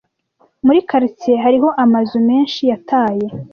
Muri quartier hariho amazu menshi yataye.